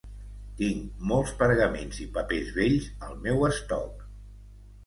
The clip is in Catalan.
Tinc molts pergamins i papers vells al meu estoc.